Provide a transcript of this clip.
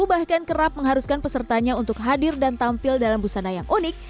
bahkan kerap mengharuskan pesertanya untuk hadir dan tampil dalam busana yang unik